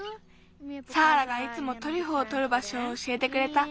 サーラがいつもトリュフをとるばしょをおしえてくれた。